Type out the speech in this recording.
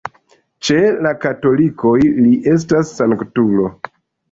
Ĉe la katolikoj li estas sanktulo.